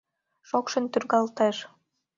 Шокшын тӱргалтеш.